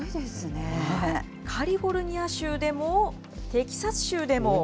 カリフォルニア州でもテキサス州でも。